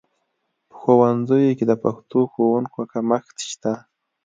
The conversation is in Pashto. په ښوونځیو کې د پښتو ښوونکو کمښت شته